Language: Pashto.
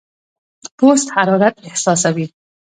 پوست حرارت احساسوي.